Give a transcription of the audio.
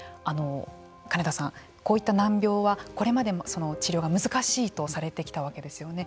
金田さん、こういった難病はこれまでも治療が難しいとされてきたわけですよね。